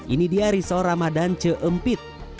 ini dia risau ramadan ce empit